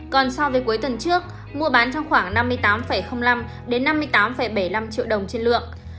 còn so với cuối tuần trước mua bán trong khoảng năm mươi tám năm đến năm mươi tám bảy mươi năm triệu đồng trên lượng